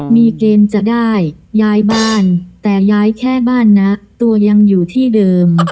มีเกณฑ์จะได้ย้ายบ้านแต่ย้ายแค่บ้านนะตัวยังอยู่ที่เดิม